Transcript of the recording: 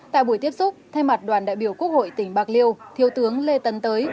tại buổi tiếp xúc thay mặt đoàn đại biểu quốc hội tỉnh bạc liêu thiếu tướng lê tấn tới